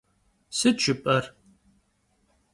Sıt jjıp'er?